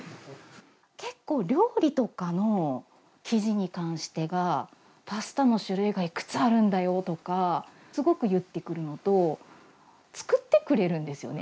結構料理とかの記事に関してが「パスタの種類がいくつあるんだよ」とかすごく言ってくるのと作ってくれるんですよね。